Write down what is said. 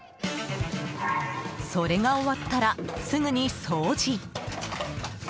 それが終わったらすぐに掃除。